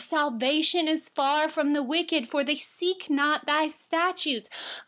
155Salvation is far from the wicked, for they donât seek your statutes.